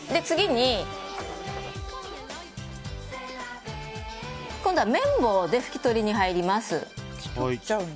次に、今度は綿棒で拭き取りに入ります。